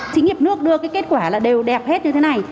doanh nghiệp nước đưa kết quả đều đẹp hết như thế này